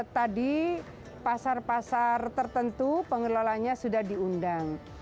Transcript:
tadi pasar pasar tertentu pengelolanya sudah diundang